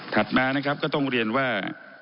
ถัดมาก็ต้องเรียนว่า